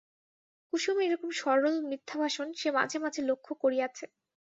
কুসুমের এরকম সরল মিথ্যাভাষণ সে মাঝে মাঝে লক্ষ করিয়াছে।